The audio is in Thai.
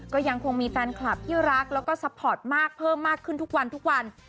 ก็ยังคงมีแฟนคลับที่รักแล้วก็ซัพพอร์ตมากเพิ่มมากขึ้นทุกวันทุกวัน